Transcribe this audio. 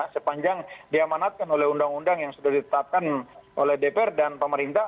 sepanjang diamanatkan oleh undang undang yang sudah ditetapkan oleh dpr dan pemerintah